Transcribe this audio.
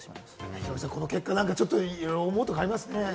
ヒロミさん、この結果いろいろ思うところありますね。